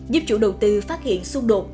giúp chủ đầu tư phát hiện xung đột